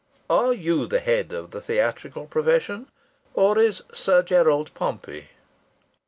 Are you the head of the theatrical profession, or is Sir Gerald Pompey?"